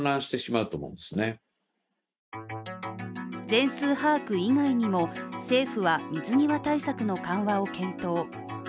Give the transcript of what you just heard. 全数把握以外にも、政府は水際対策の緩和を検討。